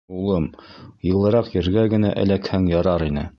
— Улым, йылыраҡ ергә генә эләкһәң ярар ине.